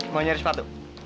mau nyari sepatu